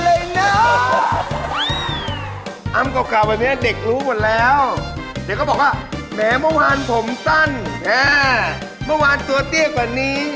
อำเก่าแบบนี้เด็กรู้หมดแล้วเด็กก็บอกว่าแหมเมื่อวานผมสั้นเมื่อวานตัวเตี้ยกว่านี้